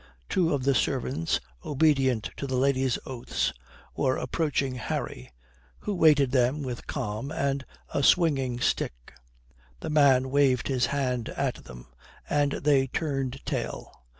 Two of the servants, obedient to the lady's oaths, were approaching Harry, who waited them with calm and a swinging stick. The man waved his hand at them and they turned tail.